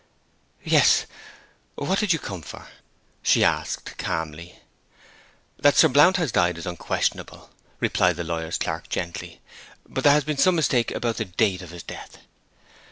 'Yes. Then what did you come for?' she asked calmly. 'That Sir Blount has died is unquestionable,' replied the lawyer's clerk gently. 'But there has been some mistake about the date of his death.'